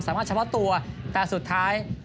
ส่วนที่สุดท้ายส่วนที่สุดท้าย